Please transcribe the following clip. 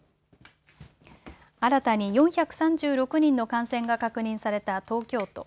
新たに４３６人の感染が確認された東京都。